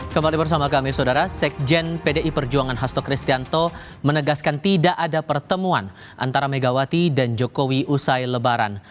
kembali bersama kami saudara sekjen pdi perjuangan hasto kristianto menegaskan tidak ada pertemuan antara megawati dan jokowi usai lebaran